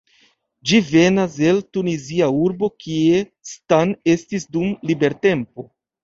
Ĝi venas el Tunizia urbo kie Stan estis dum libertempo.